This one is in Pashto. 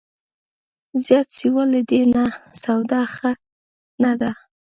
زیات سیوا له دې نه، سودا ښه نه ده